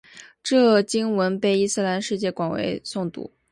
这节经文被伊斯兰世界广为诵读。